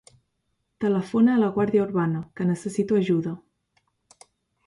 Telefona a la Guàrdia Urbana, que necessito ajuda.